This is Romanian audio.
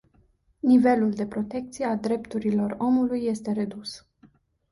Nivelul de protecție a drepturilor omului este redus.